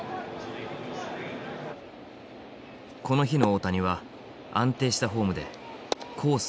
この日の大谷は安定したフォームでコース